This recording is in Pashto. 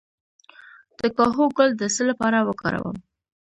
د کاهو ګل د څه لپاره وکاروم؟